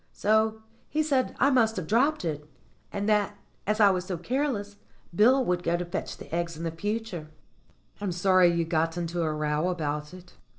So he said I must have dropped it, and that, as I was so careless, Bill would go to fetch the eggs in future." "I'm sorry you got into a row about it."